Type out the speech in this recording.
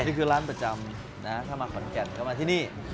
นี่คือร้านประจำนะฮะถ้ามาขอนแก่นก็มาที่นี่